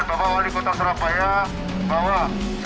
grup dan bapak wali kota surabaya bawa